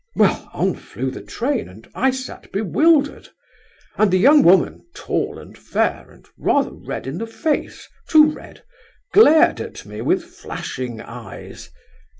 Well, on flew the train, and I sat bewildered, and the young woman, tall and fair, and rather red in the face, too red, glared at me with flashing eyes.